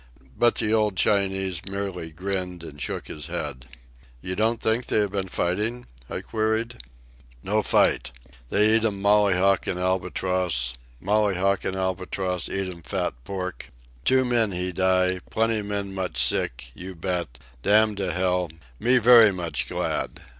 But the old Chinese merely grinned and shook his head. "You don't think they have been fighting?" I queried. "No fight. They eat'm mollyhawk and albatross; mollyhawk and albatross eat'm fat pork; two men he die, plenty men much sick, you bet, damn to hell me very much glad.